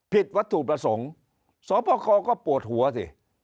ผิดวัตถุประสงค์สอบคอก็ปวดหัวสิ